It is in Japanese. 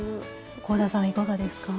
香田さんはいかがですか？